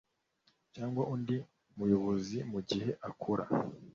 cyangwa undi muyobozi mu gihe akora